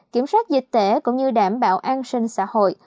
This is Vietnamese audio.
kiểm soát dịch tễ cũng như đảm bảo an sinh xã hội